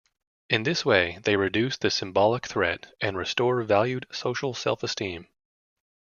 In this way, they reduce the symbolic threat and restore valued social self-esteem.